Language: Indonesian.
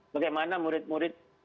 bagaimana murid murid dijaga jarak ya